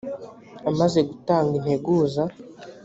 amaze gutanga integuza.